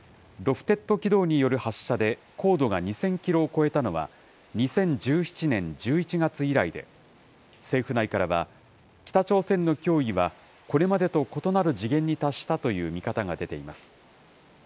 ロフテッド軌道による発射で高度が２０００キロを超えたのは、２０１７年１１月以来で、政府内からは、北朝鮮の脅威は、これまでと異なる次元に達したという見方が出ています。